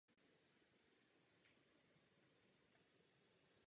Cílem řádu bylo poskytovat kvalitní vzdělání a náboženskou výchovu zejména pro chudé dívky.